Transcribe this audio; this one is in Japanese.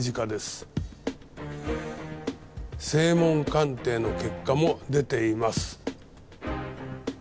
声紋鑑定の結果も出ています。